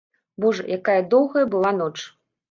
Божа, якая доўгая была ноч!